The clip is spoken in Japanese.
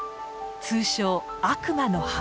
通称悪魔の歯。